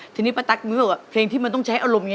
ทีนี้ป้าตั๊กรู้สึกว่าเพลงที่มันต้องใช้อารมณ์อย่างนี้